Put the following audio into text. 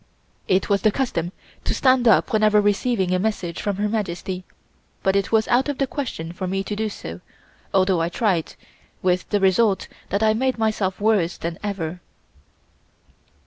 It was the custom to stand up whenever receiving a message from Her Majesty, but it was out of the question for me to do so, although I tried, with the result that I made myself worse than ever.